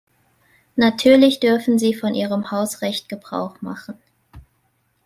Natürlich dürfen Sie von Ihrem Hausrecht Gebrauch machen.